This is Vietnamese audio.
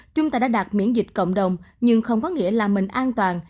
chúng ta đã đạt biến chủng omicron nhưng không có nghĩa là mình an toàn